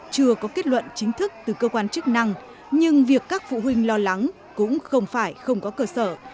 chưa có kết luận chính thức từ cơ quan chức năng nhưng việc các phụ huynh lo lắng cũng không phải không có cơ sở